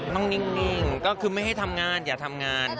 นิ่งก็คือไม่ให้ทำงานอย่าทำงาน